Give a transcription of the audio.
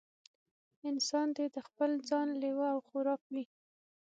انسان دې د خپل ځان لېوه او خوراک وي.